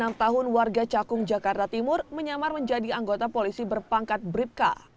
abd tiga puluh enam tahun warga cakung jakarta timur menyamar menjadi anggota polisi berpangkat bripka